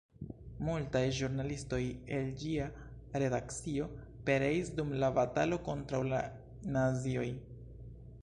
Multaj ĵurnalistoj el ĝia redakcio pereis dum la batalo kontraŭ la nazioj.